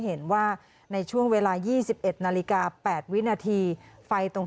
เห็นว่าในช่วงเวลายี่สิบเอ็ดนาฬิกาแปดวินาทีไฟตรง